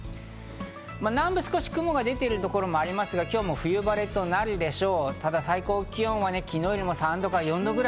南部は少し雲が出ているところもありますが、今日も冬晴れとなるでしょう。